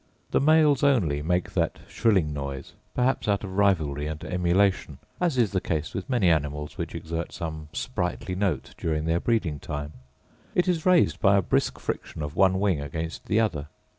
The males only make that shrilling noise perhaps out of rivalry and emulation, as is the case with many animals which exert some sprightly note during their breeding time: it is raised by a brisk friction of one wing against the other.